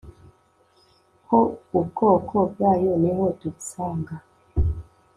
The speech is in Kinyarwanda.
ko ubwoko bwayo niho tubisanga